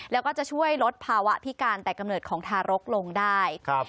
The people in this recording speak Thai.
แล้วก็จะช่วยลดภาวะพิการแต่กำเนิดของทารกลงได้ครับ